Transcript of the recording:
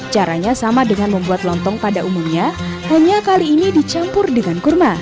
caranya sama dengan membuat lontong pada umumnya hanya kali ini dicampur dengan kurma